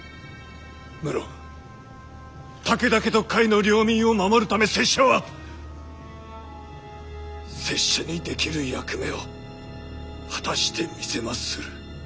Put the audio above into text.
無論武田家と甲斐の領民を守るため拙者は拙者にできる役目を果たしてみせまする。